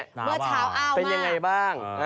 เมื่อเช้าเป็นยังไงบ้าง